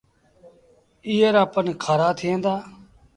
ايئي رآ پن کآرآ ٿئيٚݩ دآ۔